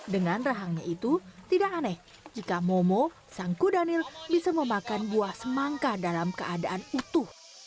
dengan rahangnya itu tidak aneh jika momo sang kudanil bisa memakan buah semangka dalam keadaan utuh